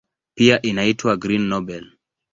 Pia inaitwa "Green Nobel".